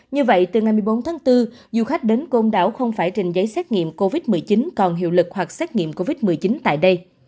như vậy từ ngày một mươi bốn tháng bốn du khách đến côn đảo không phải trình giấy xét nghiệm covid một mươi chín còn hiệu lực hoặc xét nghiệm covid một mươi chín tại đây